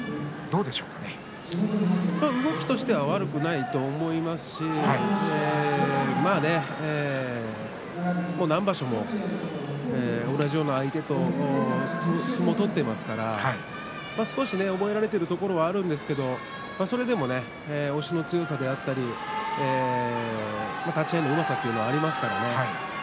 動きとしては悪くないと思いますし何場所も同じような相手と相撲を取っていますから少し覚えられているところもありますけれどそれでも押しの強さであったり立ち合いのうまさというのがありますからね。